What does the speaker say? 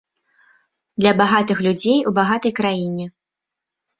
Для багатых людзей у багатай краіне.